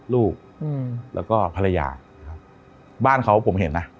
ลูกแล้วก็ภรรยาครับบ้านเขาผมเห็นนะ